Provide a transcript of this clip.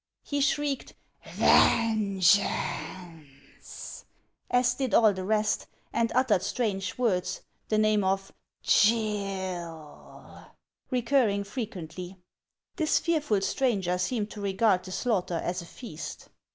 He shrieked "Vengeance!" as did all the rest, and ut tered strange words, the name of " Gill " recurring fre quently. This fearful stranger seemed to regard the slaughter as a feast.